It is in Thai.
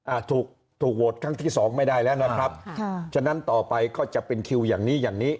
อ่าถูกถูกโหวตครั้งที่สองไม่ได้แล้วนะครับค่ะฉะนั้นต่อไปก็จะเป็นคิวอย่างนี้อย่างนี้